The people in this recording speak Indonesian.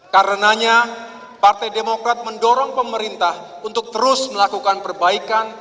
karenanya partai demokrat mendorong pemerintah untuk terus melakukan perbaikan